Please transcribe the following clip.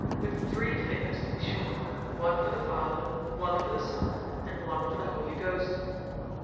With three fingers, to be sure—one for the Father, one for the Son, and one for the Holy Ghost."